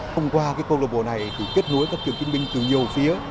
hôm qua cộng đồng bộ này kết nối các cựu chiến binh từ nhiều phía